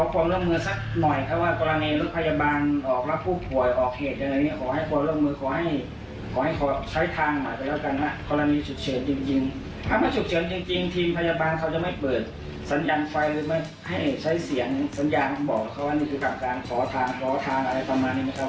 ต้องรีบจะรับพุทธปล่อยประมาณนี้นะครับ